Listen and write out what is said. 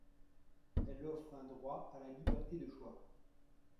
Elle offre un droit à la liberté de choix.